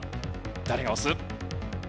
誰が押す？